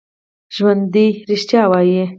ژوندي رښتیا وايي